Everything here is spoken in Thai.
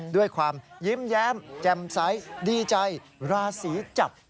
ด้วยความยิ้มแย้มแจ่มใสดีใจราศีจับ